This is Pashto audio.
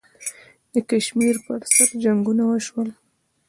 د کشمیر پر سر جنګونه وشول.